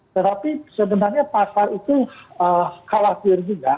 tetapi sebenarnya pasar itu khawatir juga